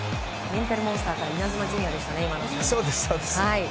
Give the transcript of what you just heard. メンタルモンスターからイナズマ純也でしたね。